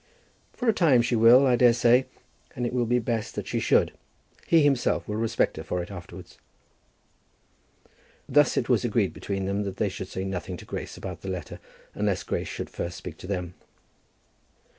"For a time she will, I daresay. And it will be best that she should. He himself will respect her for it afterwards." Thus it was agreed between them that they should say nothing to Grace about the letter unless Grace should first speak to them.